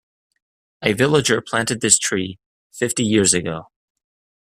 A villager planted this tree fifty years ago.